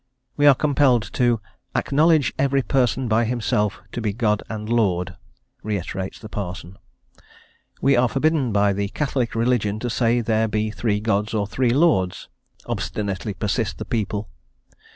We are compelled "to acknowledge every Person by Himself to be God and Lord," reiterates the parson. "We are forbidden by the Catholic Religion to say there be three Gods or three Lords," obstinately persist the people.